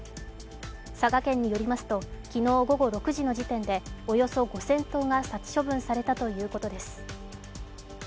佐賀県によりますと昨日午後６時の時点でおよそ５０００頭が殺処分されたということです。